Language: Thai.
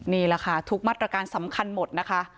นี่แหละค่ะทุกมาตรการสำคัญหมดนะคะ